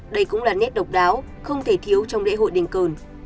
đây cũng là nét độc đáo không thể thiếu trong lễ hội đền cờ